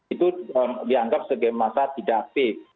itu dianggap sebagai masa tidak aktif